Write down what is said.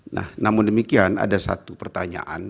nah namun demikian ada satu pertanyaan